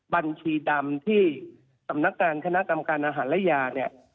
บัญชีดำที่สำนักการคณะกรรมการอาหารและยาเนี่ย